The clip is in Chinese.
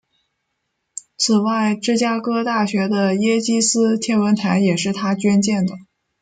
此外芝加哥大学的耶基斯天文台也是他捐建的。